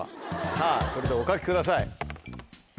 さぁそれではお書きください。